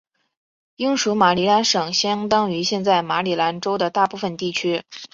英属马里兰省相当于现在马里兰州的大部分地区。